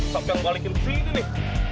sampai ngebalikin kesini nih